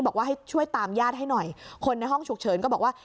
บอกว่าให้ช่วยตามญาติให้หน่อยคนในห้องฉุกเฉินก็บอกว่า